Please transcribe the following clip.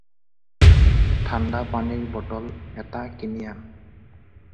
ঠাণ্ডা পানীৰ বটল এটা কিনি আন।